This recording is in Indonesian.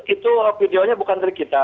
itu videonya bukan dari kita